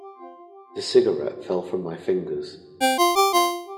The cigarette fell from my fingers.